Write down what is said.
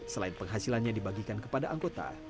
selain penghasilannya dibagikan kepada anggota